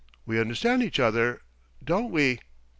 We understand each other. Don't we?"